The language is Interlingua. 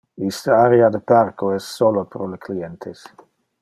Iste area de parco es solo pro le clientes.